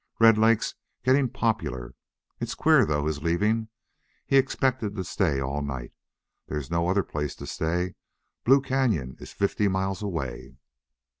Red Lake's getting popular! It's queer, though, his leaving. He expected to stay all night. There's no other place to stay. Blue Cañon is fifty miles away."